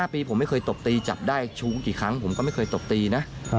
๕ปีผมไม่เคยตบตีจับได้ชู้กี่ครั้งผมก็ไม่เคยตบตีนะ